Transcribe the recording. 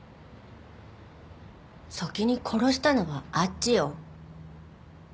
先に殺したのはあっちよ。